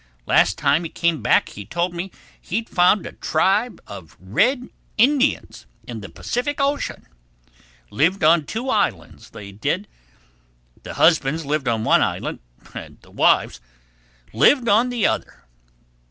Last time he came back he told me he'd found a tribe of Red Indians in the Pacific Ocean—lived on two islands, they did. The husbands lived on one island and the wives lived on the other.